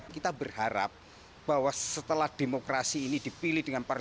kita berharap bahwa setelah demokrasi ini kita bisa mencapai keamanan